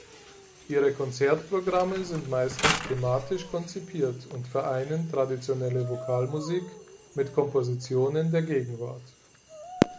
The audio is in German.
Ihre Konzertprogramme sind meistens thematisch konzipiert und vereinen traditionelle Vokalmusik mit Kompositionen der Gegenwart.